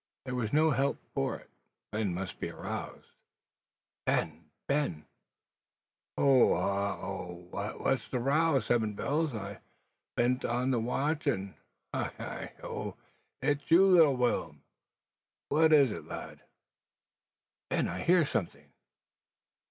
There was no help for it: Ben must be aroused. "Ben! Ben!" "Ho hah ow aw what's the row? seven bells, I bean't on the dog watch. Hi, hi, oh! it's you, little Will'm. What is't, lad?" "Ben, I hear something."